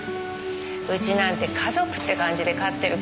うちなんて家族って感じで飼ってるけどね。